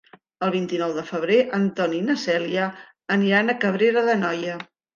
El vint-i-nou de febrer en Ton i na Cèlia aniran a Cabrera d'Anoia.